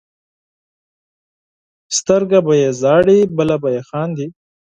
سترګه به یې ژاړي بله به یې خاندي.